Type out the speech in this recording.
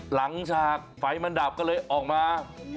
ฉากไฟมันดับก็เลยออกมา